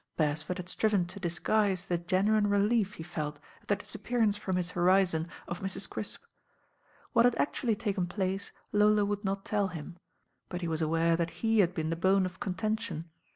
Beresford had striven to disguise the genuine re lief he felt at the disappearance from his horizon of A i 800 THE RAIN GIRL Mrs. Crisp. What had actually taken place Lola would not tell him; but he was aware that he had been the bone of contention.